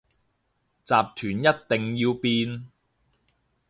集團一定要變